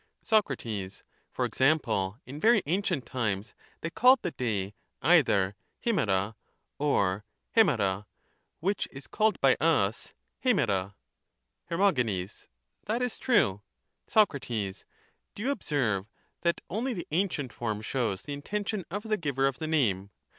Soc. For example, in very ancient times they called the day either Ifitpa or Ifitpa, which is called by us ■i]fitpa. Her. That is true. Soc. Do you observe that only the ancient form shows the intention of the giver of the name?